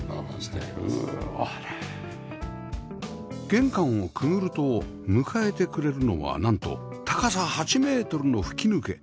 玄関をくぐると迎えてくれるのはなんと高さ８メートルの吹き抜け